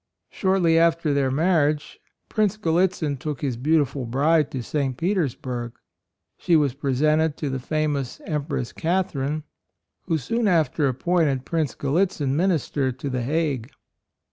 Shortly after their marriage Prince Gallitzin took his beau tiful bride to St. Petersburg. She was presented to the famous Empress Catherine, who soon after appointed Prince Gallitzin Minister to the Hague.